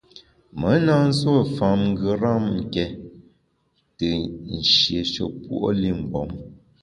Me na nsuo fam ngeram ké te nshiéshe puo’ li mgbom.